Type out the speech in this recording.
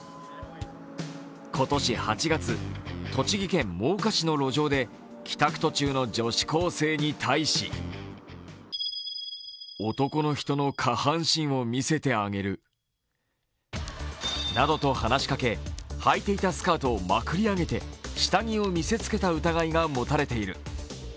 今年８月、栃木県真岡市の路上で帰宅途中の女子高生に対しなどと話しかけ、はいていたスカートをまくり上げて下着を見せつけた疑いが持たれている。